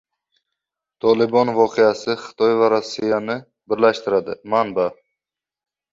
"Tolibon" voqeasi Xitoy va Rossiyani birlashtiradi — manba